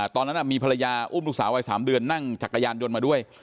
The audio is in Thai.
ตอนนั้นมีภรรยาอุ้มลูกสาววัย๓เดือนนั่งจักรยานยนต์มาด้วย